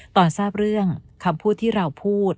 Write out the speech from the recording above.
ตอนทราบเรื่องคำพูดที่เราพูด